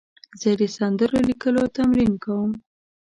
زه د سندرو لیکلو تمرین کوم.